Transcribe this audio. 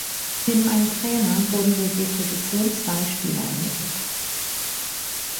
Neben einem Trainer wurden so je Position zwei Spieler ermittelt.